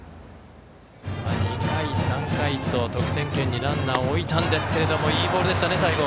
２回、３回と得点圏にランナーを置いたんですけれどもいいボールでしたね、最後。